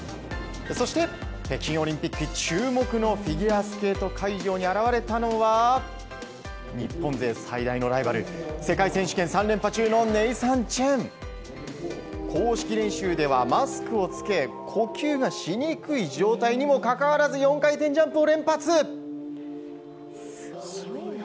そして北京オリンピック注目のフィギュアスケート会場に現れたのは日本勢最大のライバル世界選手権３連覇中のネイサン・チェン。公式練習ではマスクを着け呼吸がしにくい状態にもかかわらず４回転ジャンプを連発！